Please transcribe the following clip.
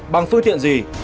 bằng phương tiện gì